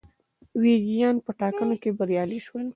ویګیان په ټاکنو کې بریالي شول.